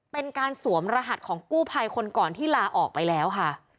เป็นการสวมรหัสของกู้ภัยคนก่อนที่ลาออกไปแล้วค่ะ